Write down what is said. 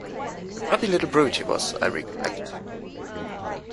A grubby little brute he was, I recollect.